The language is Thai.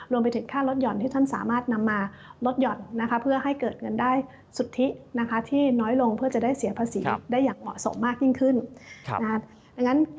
รวมไปถึงค่ารถหย่อนที่ท่านสามารถนำมาลดหย่อนนะคะเพื่อให้เกิดเงินได้สุทธินะคะที่น้อยลงเพื่อจะได้เสียภาษีได้อย่างเหมาะสมมากยิ่งขึ้น